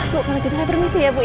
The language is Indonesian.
bu kalau gitu saya permisi ya bu ya